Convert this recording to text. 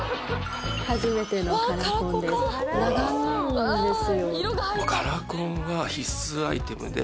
初めてのカラコンです。